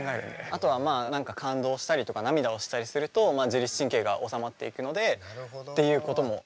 あとはまあ何か感動したりとか涙をしたりすると自律神経がおさまっていくのでっていうことも。